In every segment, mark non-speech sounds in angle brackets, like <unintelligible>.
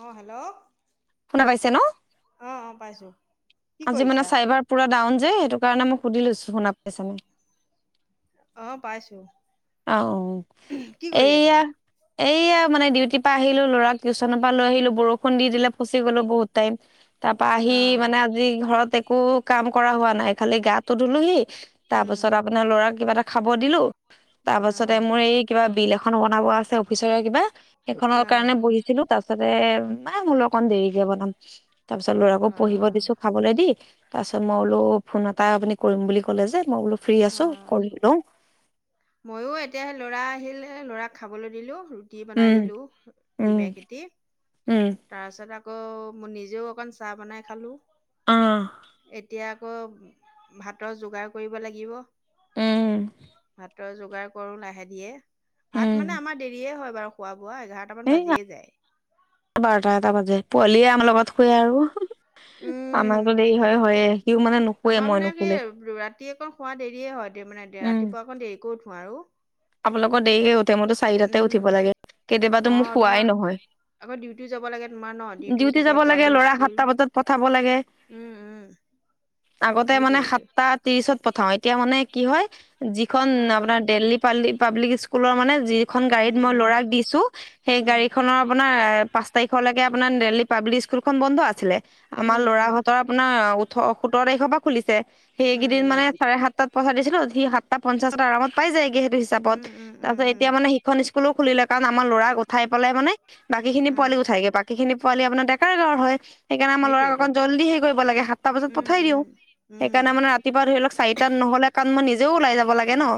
অঁ, হেল্ল'! শুনা পাইছে ন? অঁ অঁ পাইছোঁ। কি আজি মানে কৰিছা চাৰ্ভাৰ পুৰা ডাউন যে সেইটো কাৰণে মই সুধি লৈছোঁ শুনা পাইছে নাই? অঁ পাইছোঁ। অ কি কৰি আছা এইয়া এইয়া মানে ডিউটিৰ পৰা আহিলো ল'ৰাক টিউচনৰ পৰা লৈ আহিলো বৰষুণ দি দিলে ফচি গ'লো বহুত টাইম। তাপা আহি অঁ মানে আজি ঘৰত একো কাম কৰা হোৱা নাই। খালি গাটো ধুলোহি তাৰ উম পিছত আপোনাৰ ল'ৰাক কিবা এটা খাব দিলো তাৰ পাছতে অঁ মোৰ এই কিবা বিল এখন বনাব আছে অফিচৰে কিবা সেইখনৰ অঁ কাৰণে বহি- ছিলো তাৰ পাছতে মানে বুল অকণমান দেৰিকে বনাম তাৰ পিছত ল'ৰাকো পঢ়িব অঁ দিছো খাবলে দি তাৰ পিছত মই বোলো ফোন এটা আপুনি কৰিম বুলি ক'লে যে মই বোলো ফ্ৰী আছো কৰি লওঁ। মইও এতিয়াহে ল'ৰা আহিলে ল'ৰাক খাবলৈ দিলোঁ ৰুট- টি বনাই উম দিলো উম দিমে সেতি উম তাৰপিছত আকৌ মই নিজেও অকণ চাহ বনাই খালোঁ, অ এত- এতিয়া আকৌ ভাতৰ যোগাৰ কৰিব লাগিব উম ভাত- তৰ যোগাৰ কৰো লাহে ধীৰে ভাত মানে উম আমাৰ দেৰিয়ে হয় বাৰু খোৱা-বোৱা এঘাৰত- টামান এই বাজিয়ে যায়। বাৰটা এটা বাজে, পোৱালিয়ে আমাৰ লগত শুৱে আৰু উম আমাৰতো দেৰি উম হয় হয়ে সিও মানে নুশুৱে আমাৰ মই মানে কি নুশুলে ৰাতি অকৌ শুৱা দেৰিয়ে হয় দি মানে দিয়া উম ৰাতিপুৱা অকণ দেৰিকৈ উঠো আৰু। আপোনালোকৰ দেৰিকে উঠে মইতো চাৰিটাতে উঠিব লাগে কেতিয়াবাতো উম অ মোক শুৱাই তোমাৰ নহয় আকৌ ডিউটিও যাব লাগে তোমাৰ ন ডিউটিও ডিউটি যাব থাকে লাগে পোৱালিৰ ল'ৰা স্কুল সাতটা বজাত পঠাব লাগে উম উম আগতে মানে সেইটোৱেইটো সাতটা ত্ৰিশত পথাও এতিয়া মানে কি হয় যিখন অ' আপোনাৰ দেল্লী পাল্লি পাব্লিক স্কুলৰ মানে যিখন উম গাড়ীত মই উম ল'ৰাক দিছো সেই উম গাড়ীখনৰ আপোনাৰ পাঁচ- তাৰিখৰ লৈকে আপোনাৰ দেল্লী পাব্লিক স্কুলখন বন্ধ আছিলে, আমাৰ উম ল'ৰাহঁত তৰ আপোনাৰ ওঠ সোতৰ তাৰিখৰ পৰা খুলিছে উম সেইকেইদিন মানে উম চাৰে সাতটাত পইচা দিছিলো সি সাতটা পঞ্চাশত আৰামত পাই যায়গে সেইটো হিচাপত। উম উম উম উম তাৰপিছত উম এতিয়া মানে সেইখন স্কুলো খুলিলে কাৰণ আমাৰ ল'ৰাক উঠাই পেলাই মানে বাকী খিনি অ' পোৱালিক উঠাইগে বাকীখিনি পোৱালি আপোনাৰ ডেকাৰ গাঁৱৰ হয় সেইকাৰণে আমাৰ ল'ৰাক সেইটোৱেইটো অকন জল্দি সেই কৰিব লাগে সাতটা বজাত উম পঠাই উম দিওঁ। উম সেইকাৰণে মানে ৰাতিপুৱা ধৰি লওক চাৰিটাত নহ'লে কাৰণ মই নিজেও ওলাই যাব লাগে ন।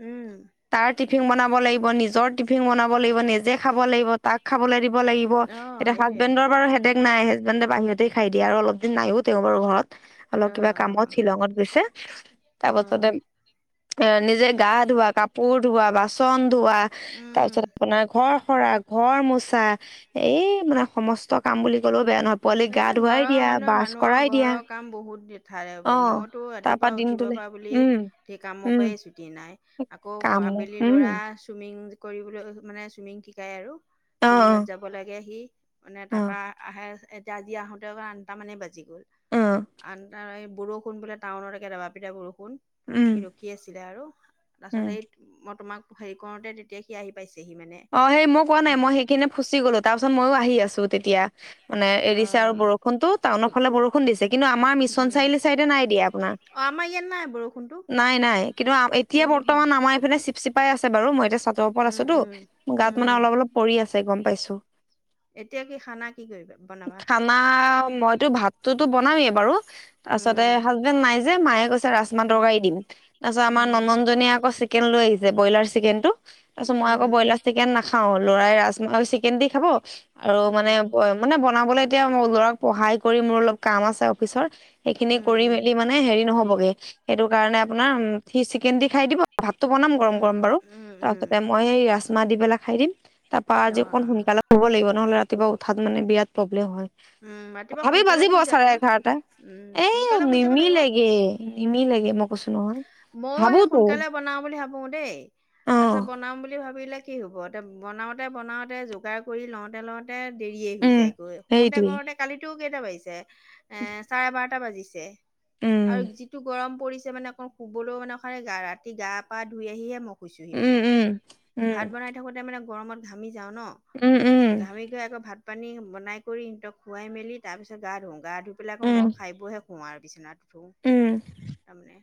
উম তাৰ টিফিন বনাব লাগিব নিজৰ টিফিন বনাব লাগিব নিজে খাব লাগিব তাক খাবলে দিব লাগিব। অ' এতিয়া সেইটোৱেইটো হাজবেণ্ডৰ বাৰু হেদেক নাই হাজবেণ্ডে বাহিৰতেই খাই দিয়ে আৰু অলপ দিন নাইও তেওঁ বাৰু ঘৰত। অলপ কিবা অ' কামত অ' শ্বিলঙত গৈছে অ' তাৰপাছতে নিজে গাত- ধোৱা, কাপোৰ ধোৱা, বাচন ধোৱা, তাৰ পিছত উম আপোনাৰ ঘৰ সৰা, ঘৰ মোচা এই মানে সমস্ত কাম বুলি ক'লেও বেয়া নহয়। পোৱালি এ গা ধুৱাই ঘৰৰ দিয়া মানুহে ব্ৰাছ মানুহৰ কৰাই দিয়া ঘৰৰ কাম বহুত অ <unintelligible> মইতো তাৰ ৰাতি- পৰা পুৱা উঠিব দিনটোলে বা বুলি উম সেই কাম উম পাই চুট- টি নাই আকৌ কামো আবেলি উম ল'ৰা চুইমিং কৰিবলৈ মানে চুইমিং শিকাই আৰু অ ছুইমিংত যাব লাগে সি মানে অ তাৰপা আহে এতিয়া আজি আহোতে অক আঠটা মানে বাজি গ'ল অ আণ্ডাৰ এই বৰষুণ বোলে টাউনত একে দবা পিটা বৰষুণ উম সি ৰখি আছিলে আৰু তাৰ পিছত উম এই মই তোমাক হেৰি কৰোতে তেতিয়া সি আহি পাইছেহি মানে। অঁ সেই মই কোৱা নাই মই সেইখিনে ফুচি গ'লো তাৰপাছত মইয়ো আহি আছোঁ তেতিয়া। মানে অ এৰিছে আৰু বৰষুণটো টাউনৰ ফালে বৰষুণ দিছে কিন্তু আমাৰ মিছন উম চাৰিআলি চাইডে নাই দিয়া আপোনাৰ। অ আমাৰ ইয়াত নাই বৰষুণটো নাই নাই কিন্তু এতিয়া ইয়াত বৰষুণ বৰ্তমান আমাৰ এইফিনে চিপ চিপাই আছে বাৰু মই এতিয়া চা- উম উম। গাত উম, মানে অলপ অলপ পৰি আছে গম পাইছোঁ। এতিয়া কি খানা কি কৰিবা বনাবা? নাও মইতো ভাতটোতো বনামেই বাৰু। তাছতে উম, হাজবেণ্ড নাই যে মায়ে কৈছে ৰাজমাহ উম, তৰকাৰী দিম। তাছত আমাৰ উম, ননজনীয়ে আক চিক- কেন লৈ আহিছে ব্ৰলাৰ চিকনটো, তাছত মই আকৌ উম, ব্ৰলাৰ চিকেন নাখাও। লৰাই ৰাজমা চিকেন দি খাব আৰু উম, মানে ব মানে ব নাবলে এতিয়া মই লৰাক পঢ়াই কৰি মোৰ অলপ কাম আছে অফিচৰ। সেইখিনি উম, কৰি উম, মেলি মানে হেৰি নহবগে। সেইটো কাৰণে আপোনাৰ সি চিকেন দি খাই দিব ভাতটো বনাম গৰম উম, গৰম বাৰু। উম উম। তাৰপিছতে মই ৰাজমা দি পেলাই খাই দিম তা পা অ', আজি অকন অ', সোনকাল- শুব লাগিব নহ'লে ৰাতিপুৱা উঠাত মানে বিৰাট প্ৰব্লেম হয়। উম, ৰাতিপুৱা তথাপি সোনকালে বাজিব শুই চাৰে যাবা। এঘাৰটা, উম, এ সোনকালে শুই যাব নিমিলেগে। নিমিলেগে মোক। ময় সে সোনকালে বনাও বুলি ভাবো দেই অ তাছত বনাম বুলি ভাবিলে কি হ'ব এ বনাওঁতে বনাওঁতে যোগাৰ কৰি লওঁতে লওঁ- তে দেৰিয়ে হৈ উম যায়গৈ, শুতে সেইটোৱে কৰোতে কালিতো কেইটা বাজিছে এ চাৰে বাৰট- টা বাজিছে আৰু উম যিটো গৰম পৰিছে মানে শুবলৌ মানে খাৰি গাৰ ৰাতি গা পা ধুই আহিহে মই শুইছোহি উম মানে উম উম ভাত বনাই থাকোঁতে মানে গৰমত ঘামি যাওঁ ন। উম উম। ঘামি ঘা আকৌ ভাত পানী বনাই কৰি সিহঁতক খোৱাই মেলি তাৰপিছত গা ধো গা ধুই পেলাই আকৌ উম মই খাই বৈ হে শু আৰু বিছনাত উঠো উম তাৰমানে।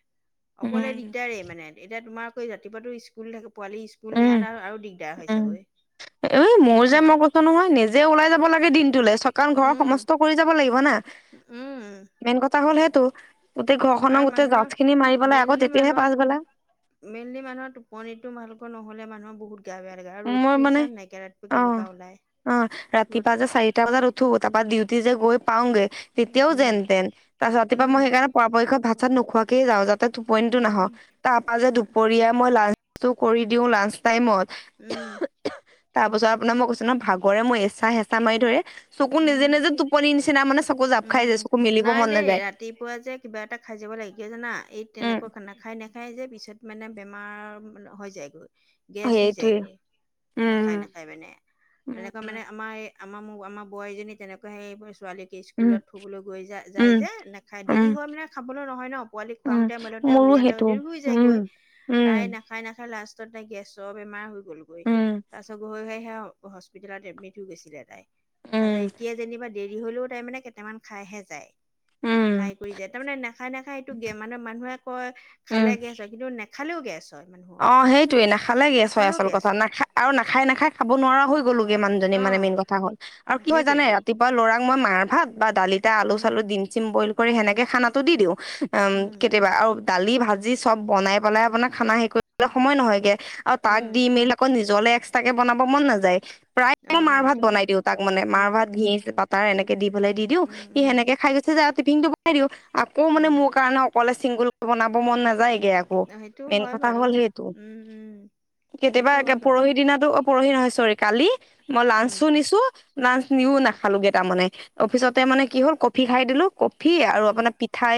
উম অকলে দিগদাৰে মানে এতিয়া তোমাৰকৈ ৰাতিপুৱাটো স্কুল থাকে পোৱালি স্ক- পুল নিয়াত আৰু দিগদাৰ হয় চাগৈ। এ মোৰ হয়নে ন যে মই কৈছো নহয় নিজে ওলাই যাব লাগে দিনটোলৈ চ কাম ঘৰ উম সমস্ত কৰি যাব লাগিব না। উম। মেইন কথা হ'ল সেইটো গোটেই ঘৰখনক আৰু গোটেই মানুহৰ জাছ খিনি মাৰি পেলাই আকৌ মেইনলি তেতিয়াহে মানুহৰ পাছবেলা মেইনলি মানুহ টোপনিটো ভালকৈ নহলে মানুহৰ বহুত গা বেয়া গে আৰু ৰ'দতো মই ফ্লি মানে ৰিখিছা নাই কেৰাতোত অ কেনেকুৱা ওলাই ৰ'দটো। টা বজাত উঠো তা পা ডিউটি যে গৈ পাওগে তেতিয়াও উম যেন তেন তাছত ৰাতিপুৱা মই উম সেইকাৰেপ পোৱাপক্ষত ভাত চাত নোখোৱাকেই যাওঁ যাতে টোপনিটো উম নাহওঁক। তাৰ পা যে দুপৰীয়া মই লাল ছো কৰি দিওঁ লাঞ্চ টাইমত। উম। তাৰ পাছত আপোনাৰ মই কৈছো ন ভাগৰে মই এচা হেঁচা মাৰি ধৰে, চকু নিজে উম নিজে টোপনি নিচিনা মানে চকু জাঁপ খাই উম যায় চকু মিলিব নাই মন দেই নাযায়। ৰাতিপুৱা যে কিবা এটা খাই যাব লাগে কিয় জানা এই উম তেনেকুৱা খানা খাই নাখায় যে পিছত মানে বেমাৰ হৈ যায়গৈ। গেছ হৈ সেইটোৱে যায়গৈ উম নাখায় নাখায় মানে তেনেকৈ মানে আমাৰ এ- আমা মো আমাৰ বোৱাৰীজনী তেনেকে সেই ছোৱালীক উম স্কুলত থ'বলৈ গৈ যা উম যায় যে নাখায় উম দেৰি হৈ মানে খাবলৈ নহয় ন পোৱালিক উম খুৱাওতে মেলোতে মোৰো উলিয়াওতে সেইটো দেৰি হৈ উম যায়গৈ। উম। খাই নাখাই লাষ্টত তাই গেছৰ বেমাৰ হৈ গ'লগৈ উম তাৰপিছত গৰৈ ঘাই সেয়া হস্পিতেলত এডমিট হৈ গৈছিলে তাই তাৰপাছত উম এতিয়া যেনিবা দেৰি হ'লেও তাৰমানে কেইটামান খাইহে যায়। উম খাই কৰি যায় তাৰমানে নাখায় নাখায় এইটো গে মানে মানুহে কয় উম খালে গেছ হয় কিন্তু নে খালেও গেছ। হয় মানুহৰ অ' সেইটোয়ে নাখালে গেছ হয় নাখালেও আচল গেছ কথা হয় নাখা আৰু নাখাই নাখাই খাব নোৱাৰা হৈ গ'লোগে মানুহজনী অ মানে মেইন কথা হল আৰু কি হয় জানে সেইটোৱেতো ৰাতিপুৱা ল'ৰা মই মাৰ ভাত বা দালিতে আলু - উম চালু দিম - চিম বইল কৰি সেনেকে খানাটো দি দিওঁ। উচ আম উম কেতিয়াবা আৰু দালি ভাজি চব বনাই পেলাই আপোনাৰ খানা হেৰি কৰিবলে সময় নহয়গে। আৰু তাক উম দি মেলি আকৌ নিজলে এক্সট্ৰাকে বনাব মন নাযায়। প্ৰায় অ মাৰ ভাত সেইটো হয় বনাই দিওঁ তাক মানে মাৰ উম ভাত, ঘিচ বাটাৰ এনেকে দি পেলাই দি দিওঁ উম সি উম সেনেকে খাই গুচি যায় আৰু টিফিনটো খাই দিও আকৌ মানে উম মোৰ কাৰণে অকলে চিংগুল বনাব মন নাযায়গে আ অ সেইটো হয় বাৰু উম উম। কেতিয়াবা সেইটো একে হয় বাৰু। পৰহি দিনাটো অ পৰহি নহয় চৰি কালি মই লাঞ্চ উম। ও নিছো লাঞ্চ নিও নাখালোগে তাৰমানে অফিচতে মানে কি হ'ল কফি খাই দিলো, কফি আৰু উম। আপোনাৰ পি ঠাই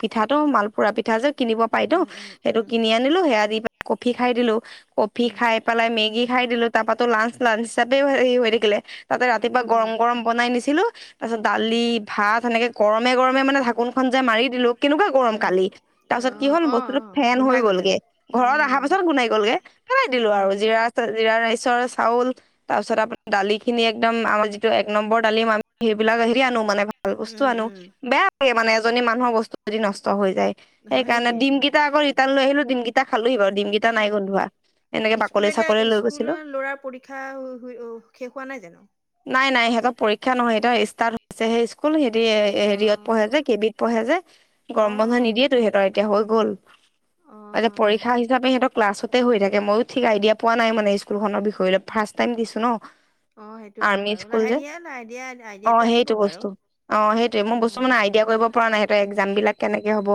পিঠাটো, মালপুৰা পিঠা যে কিনিব পাইতো উম, উম, সেইটো উম, কিনি আ লো সেইয়া দি পে কফি খাই দিলো, কফি উম, খাই পেলাই মেগি খাই দিলো তাৰপৰাতো লাঞ্চ লাঞ্চ হিচাপেও হেৰি হৈ থাকিলে তাতে ৰাতিপুৱা উম, উম। গৰম - গৰম বনাই নিছিলো তাৰ পিছত দালি, উম। ভাত সেনেকে গৰমে গৰমে মানে ঢাকোনখন যে মাৰি দিলো কেনেকুৱা গৰম উম, কালি? তাৰ পিছত কি অ', হ'ল অ', বস্তুটো অ', ফেন হৈ গোন্ধাই গ'ল গে চাগৈ, ঘৰত আহা উম, পাছত গুনাই গ'লগে, পেলাই দিলো আৰু উম। জিৰা চা জিৰা ৰাইচৰ চাউল তাৰ পিছত আপোনাৰ দালিখিনি একদম আমাৰ যিটো এক নম্বৰ দালিম আম সেইবিলাক হেৰি আনো মানে ভাল বস্তু উম আনো উম। বেয়া লাগে মানে এজনী মানুহৰ বস্তু যদি নষ্ট হৈ যায়। হৈ যায়। অ' সেইকাৰণে সেইটোৱেইটো। ডিমকেইটা আক ৰিটাৰ্ণ লৈ আহিলো, ডিমকেইটা খালোহি বাৰু ডিমকেইটা নাই গুন্ধোৱা। খোৱা। স্কুল এতিয়া স্কুলৰ ল'ৰাৰ পৰীক্ষা হু হুই শেষ হোৱা নাই জানো? নাই নাই সিহঁতৰ পৰীক্ষা নহয় সেহঁতৰ ষ্টাৰ্ট আছে অ' অ' সেই অ'। স্কুল হেৰীয়ে হেৰিয়ত পঢ়ে যে কে বিত পঢ়ে যে। পোৱা নাই গৰম বন্ধ নিদিয়েতো সিহঁতৰ এতিয়া হৈ গ'ল অ। এতিয়া পৰীক্ষা হিচাপে সিহঁত ক্লাছতে হৈ থাকে, মইও ঠিক আইডিয়া পোৱা নাই মানে স্কুলখনৰ বিষয় লৈ ফাৰ্ষ্ট টাইম দিছো ন অ' সেইটো হয় আৰ্মি বাৰু স্কুল লাহে যে, ধীৰে লাহে ধীৰে অ' আইডিয়াটো সেইটো আহিবগৈ বস্তু আৰু। অ' সেইটোৱে মোৰ উম বস্তু উম। মানে আ ডিয়া কৰিব পৰা নাই সেহতৰ একজামবিলাক কেনেকে হব?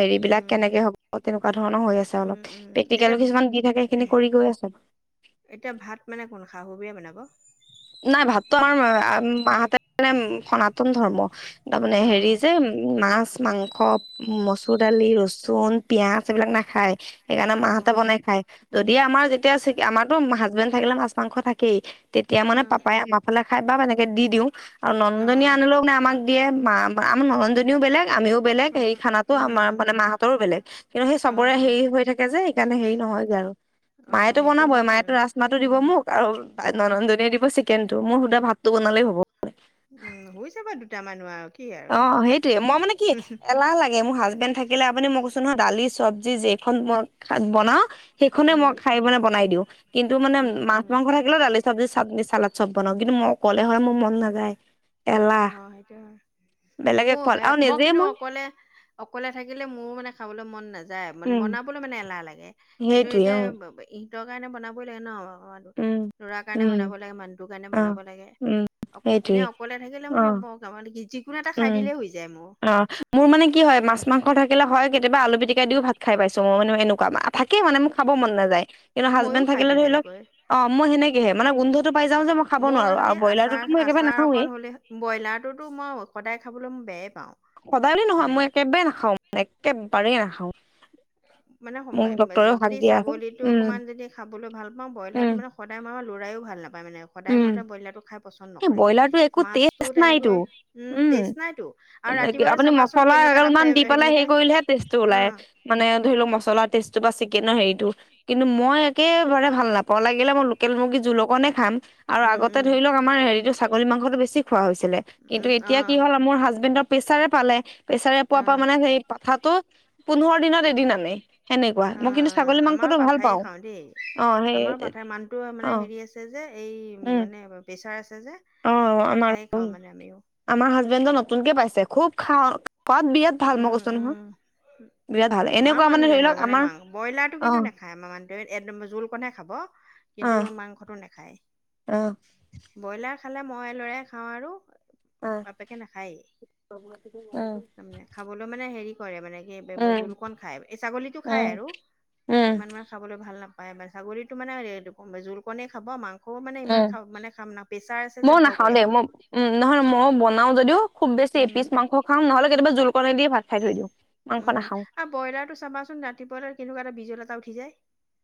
হেৰিবিলাক উম কেনেকে হ'ব তেনে কুৱা ধৰণৰ হৈ আছে উম অলপ, উম এতিয়া প্ৰেক্টিকেল কিছুমান দি থাকে সেইখিনি কৰি গৈ আছে। এতিয়া ভাত মানে কোন শাহু বুঢ়ী বনাব? নাই ভাতটো আমাৰ মাহতে মানে সনাতন ধৰ্ম। তাৰ মানে অ হেৰি যে মাছ - মাং স মচুৰ দালি, ৰচুন, পিয়াজ এইবিলাক নাখায় সেইকাৰণে অ। মাহতে বনাই খায়। যদি আমাৰ যেতিয়া চিক আমাৰতো হাজবেণ্ড থাকিলে মাছ - মাংস থাকেই অ। তেতিয়া উম মানে পাপাই আমাৰ ফালে খাই বা এনেকে দি দিওঁ। আৰু নন্দজনীও আনিলেওে আমাক দিয়ে, মা আমাৰ নন্দজনীও বেলেগ আমিও বেলেগ সেই খানাত ত আমাৰ উম। মানে মাহতৰো বেলেগ কিন্তু সেই অ অ চবৰে হেৰি হৈ থাকে যে সেইকাৰণে হেৰি নহয় যে আৰু। অ মায়েটো সেইটো বনাবই, হয় মায়েটো বাৰু ৰাজমাহটো দিব উম মোক আৰু উম। ননন্দনিয়ে দিব ছিক কেনটো, মোৰ সুধা ভাতটো বনালেই হ'ব। উম হৈ যাব দুটা মানুহ আও অ' সেইটোয়ে মই মানে কি এলাহ লাগে মোৰ হাজবেণ্ড থাক কিলে আপুনি মই কৈছো নহয় দালি চব্জি যেইখন মই শাক বনাও সেইখনেই উম মই খাই মানে বনাই দিওঁ কিন্তু মানে উম মাছ উম মাংস থাকিলেও দালি চব্জি চাতনি চালাদ চব বনাও কিন্তু মই অকলে হয়লে মোৰ মন নাযায় এলাহ অ' সেইটোৱে হয় বেলেগে খোৱাত মোৰে আৰু একে মই নিজেই কিন্তু অকলে অকলে থাকিলে মোৰো মানে খাবলৈ মন নাযায় মানে উম বনাবলৈ মানে এলাহ লাগে সেটো সেইটোৱে এতিয়া অ ইতৰ কাৰণে বনাবই লাগে ন উম লৰা কাৰণে উম বনাব লাগে মানুহটোৰ কাৰণে অ বনাব লাগে, উম অক সেইটোৱে এনেই অকলে থাকিলে মই অ নব নাও মানে কি জিক উম অ মোৰ মানে কি হয় মাছ মাংস থাকে হয় কেতিয়াবা আলু পিটিক দিও ভাত খাই পাইছো মই মানে এনে কোৱা থাকেই মানে মোক খাব মন নাযায় কিন্তু ময়ো হাজবেণ্ড খাই থাকিলে দিওঁ ধৰি লওক তেনেকৈ অ মই সেনেকেহে মানে গোন্ধটো পাই যাওঁ যে মই খাব মোৰ নোৱাৰো আৰু খালি ব্ৰইলাৰটোতো আচাৰ মই একেবাৰে আচাৰ নাখাওৱেই অকণ হ'লে ব্ৰইলাৰটোতো মই সদায় খাবলৈ মই বেয়াই পাওঁ সদায় নহয় মানে মই একেবাৰে নাখাও মই একেবাৰেই নাখাও মানে মোক ডক্তৰেও শাক যদি দিয়া আছে ছাগলীটো উম অকমান যদি খাবলৈ ভাল পাওঁ উম ব্ৰইলাৰটো মানে সদায় মই আৰু লৰায়ো ভাল নাপায় মানে সদায় উম মতলব ব্ৰইলাৰ টো খাই পছন্দ এই নকৰে সি ব্ৰইলাৰটো একো মাছটো টেষ্ট নাইতো তেনেকৈ ওম উম টেছ নাই টো আৰু এনেকে ৰাতিপুৱাতে আপুনি চাবা চোন মছলা কেনেকুৱা এটা অলপমান দি পেলাই হেৰি কৰিলেহে টেষ্টটো যায় অ ওলাই মানে ধৰি লওক মছলা টেষ্টটো বা ছিগ কেনৰ হেৰিটো কিন্তু মই একেবাৰে ভাল নাপাওঁ লাগিলে মই লোকেল মুৰ্গী জোল অকণে খাম আৰু উম আগতে উম ধৰি লওক আমাৰ হেৰিটো ছাগলী মাংসটো বেছি খোৱা হৈছিলে কিন্তু উম অ এতিয়া কি হ'ল মোৰ হাজবেণ্ডৰ প্ৰেছাৰে পালে প্ৰেছাৰে অ পোৱাৰ পৰা মানে সেই পথাটো পোন্ধৰ দিনত এদিন আনেই সেনেকুৱা মই কিন্তু ছাগলী মাংসটো ভাল পাওঁ দে অ সেই আমাৰ পাঠাৰ মানুহটোৱে অ মানে হেৰি আছে যে এই উম মানে প্ৰেছাৰ আছে যে অ আমাৰ পঠায় খাওঁ মানে আমিও আমাৰ হাজবেণ্ডজন নতুনকে পাইছে খুব খা খোৱাত বিৰাট ভাল মই উম কৈছো উম নহয় বিৰাট ভাল আমাৰ এনেকুৱা ধৰি মানুহজনেও লওক মানে আমাৰ মা ব্ৰইলাৰটো অ কিন্তু নেখায় আমাৰ মানুহটোৱে একদম জোল কণহে খাব অ কিন্তু মাংসটো নাখায় অ ব্ৰইলাৰ খালে মই লৰাই খাওঁ আৰু বাপেকে নাখায়েই উম তাৰমানে খাবলৈ মানে হেৰি কি কৰে মানে কি উম জোল কন খায় এই ছাগলীটো উম খাই উম আৰু উম ইমান মানে খাবলৈ ভাল নাপায় ছাগলীতো মানে জোলকণেই খাব মাং স মানে ইমান উম খাম মানে খাম না প্ৰেচাৰ আছে ময়ও যে ভয় নাখাও কৰে দেই অকণ মই উম নহয় ময়ো বনাও যদিও খুব বেছি উম এপিছ মাংস খাওঁ নহ'লে কেতিয়াবা জোলকণে দি ভাত খাই থৈ দিওঁ মাংস উম নাখাও আৰু ব্ৰইলাৰটো চাবাচোন ৰাতিপুৱালৈ কেনেকুৱা এটা বিজল এটা উঠি যায়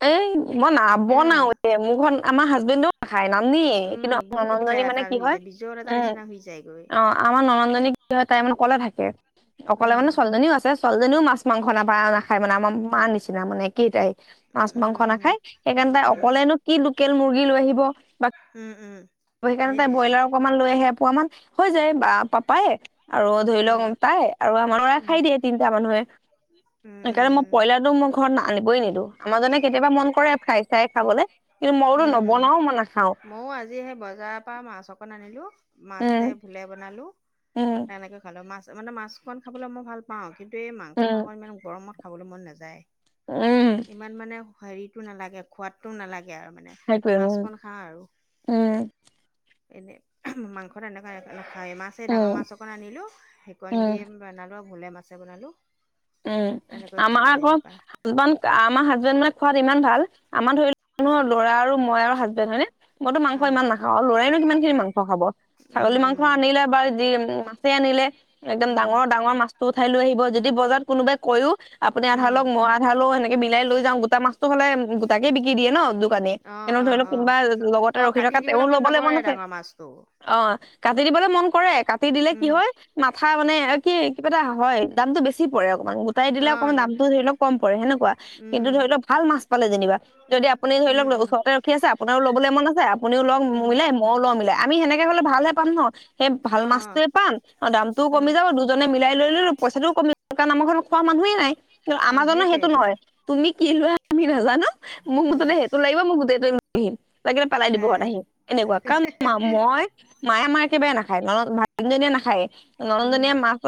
এই মই অ নাবনাৱে মোৰ ঘৰত আমাৰ হাজবেণ্ডো নাখায় নানে উম কিন্তু বহুত একেবাৰে ননন্দজনী এটা মানে কি হৈ হয় যায় বিজল এটা উম নিচিনা হৈ যায়গৈ অ আমাৰ ননন্দজনী কি হয় তাই মানে অকলে থাকে অকলে উম মানে ছোৱালীজনীও আছে ছোৱালীজনীও মাছ মাংস নাপায় নাখায় মানে আমাৰ মাৰ নিচিনা মানে একেইটাই মাছ উম মাংস উম নাখায় সেইকাৰণে তাই উম অকলেনো কি লোকেল মুৰ্গী লৈ আহিব বা উম উম অহ সেইকাৰণে তাই সেইটোৱেইটো ব্ৰইলাৰ অকমান লৈ আহে এপোৱা মান হৈ যায় বা পাপাই আৰু ধৰি উম লওক তাই আৰু আমাৰ উম খাই দিয়ে তিনিটা মানুহে উম সেইকাৰণে মই উম ব্ৰইলাৰটো মোৰ ঘৰত আনিবই নিদো আমাৰজনে কেতিয়াবা মন কৰে ফ্ৰাই চাই খাবলে কিন্তু মই বোলো উম উম নবনাও মই নাখাওঁ ময়ো আজি সেই বজাৰৰ পৰা মাছ অকণ আনিলোঁ উম মাছে ভূলে বনালোঁ উম তেনেকে খালো মাছ মানে মাছক খাবলৈ মই ভাল পাওঁ কিন্তু এই মাংস উম চাংস ইমান গৰমত খাবলে মন নাযায় উম ইমান মানে হেৰিটো নালাগে খোৱাদটো নালাগে আৰু মানে সেইটোৱে উম মাছকণ খাওঁ আৰু উম এনে মাংস এনেকুৱা নাখাওঁ মাছ এই উম ডাঙৰ মাছ অকণ আনিলোঁ সেইকণ উম দি বনালোঁ ভূলে মাছে বনালোঁ উম আমাৰ আকৌ জোনাকণ আমাৰ হাজবেণ্ড মানে খোৱাত ইমান ভাল আমাৰ ধৰি লোৱা ল'ৰা আৰু মই আৰু হাজবেণ্ড হয়নে মইতো মাংস অ ইমান নাখাওঁ আৰু লৰাইনো কিমান খিনি মাংস খাব উম ছাগলী মাংস উম আনিলে বা যি মাছেই আনিলে একদম উম ডাঙৰ ডাঙৰ মাছটো উঠাই লৈ আহিব যদি বজাৰত কোনোবাই কৈওঁ। আপুনি আধা উম লওঁক, মইও আধা লওঁ এনেকে মিলাই লৈ যাওঁ। গোটা মাছটো হ'লে গোটাকে বিক্ৰি দিয়ে ন। খোৱা নে অ এনেও অ ধৰি লওঁক অ কোনোবা লগতে অ ৰখি কাটি থকা তেওঁ দিবলৈ লবলৈ মন নকৰে আছে। ডাঙৰ মাছটো অহ', কাটি দিবলৈ মন কৰে কাটি দিলে কি উম হয়। মাথা মানে কি কিবা এটা হয় দামটো বেছি পৰে অকমান বহু তাই দিলে অ অকণমান তাত দামটো ধৰি লওঁক কম পৰে সেনেকুৱা কিন্তু উম ধৰি লওঁক ভাল মাছ পালে যেনিবা। যদি আপুনি ধৰি উম লওঁক লগ উম ওচৰতে ৰখি আছে। আপোনাও ল'বলৈ মন আছে। আপুনিও লওঁক উম মোলে। মইও লম মিলাই। আমি সেনেকে হ'লে ভালহে পাম ন। সেই ভাল অ মাছটোৱে পাম। অহ দামটোও অ অ কমি যাব দুজনে মিলাই লৈ ললো পইচাটোও কমিব কাৰণ আমাৰ খোৱা মানুহেই নাই। কিন্তু অ আমাৰ জনৰ সেইটো সেইটোৱেইটো নহয়। তুমি কি লোৱা আমি নাজানো। মোক হ মুঠতে সেইটো লাগিব মোক গোটেইটো লৈ আহিম। লাগিলে পেলাই দিব এ ঘৰত আহি। এনেকুৱা কাৰণ মই মায়ে আমাৰ একেবাৰে নাখায়। নহলে ভাগিন জনীয়ে নাখায় নল উম জনীয়ে মাছ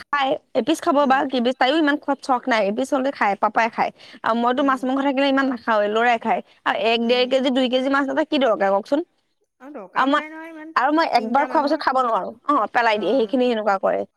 খায়। এপিচ খাব বা উম কেপিচ তায়ো ইমান খোৱাত চক নাই। এপিচ হ'লে খাই। পাপাই খায় আৰু মইতো মাছ উম মাংস থাকিলে ইমান ন হয় লৰাই খাই। আৰু এক দেৰ উম কেজি দুই কেজি মাছ আনা কি দৰকাৰ কওঁকচোন। দৰকাৰও আৰু মই নাই নহয় ইমান আৰু মই তিনিটা একবাৰ খোৱা মানুহৰ পিছত খাব নোৱাৰো। অহ পেলাই অ দিয়ে সেইখিনি সেনেকুৱা কৰে।